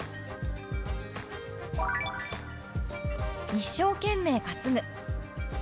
「一生懸命担ぐ」。